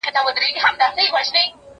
زه مخکي سړو ته خواړه ورکړي وو؟!